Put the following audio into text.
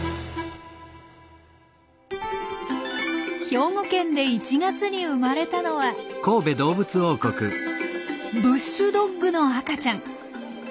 兵庫県で１月に生まれたのはブッシュドッグの赤ちゃん。